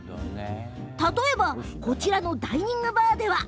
例えばこちらのダイニングバーでは。